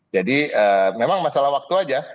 jadi memang masalah waktu saja